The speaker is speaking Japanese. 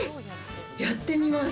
やってみます。